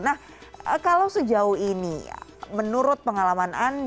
nah kalau sejauh ini menurut pengalaman anda